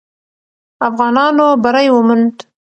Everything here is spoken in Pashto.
افغانانو بری وموند.